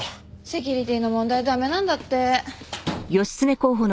セキュリティーの問題で駄目なんだって。